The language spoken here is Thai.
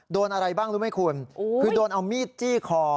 โดนอะไรบ้างรู้ไหมคุณคือโดนเอามีดจี้คอ